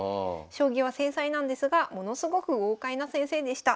将棋は繊細なんですがものすごく豪快な先生でした。